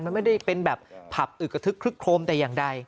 มันไม่ได้เป็นแบบผับอึกกระทึกคลึกโครมแต่อย่างใด